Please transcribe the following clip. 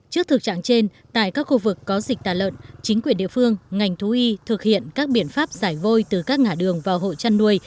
trước thực trạng trên tại các khu vực có dịch tả lợn chính quyền địa phương ngành thú y thực hiện các biện pháp giải vôi từ các ngã đường vào hộ chăn nuôi